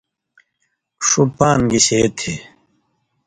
ݜُو پان گِشَہ تھی؟